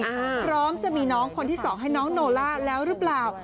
พร้อมจะมีน้องคนที่สองให้น้องโนล่าแล้วหรือเปล่า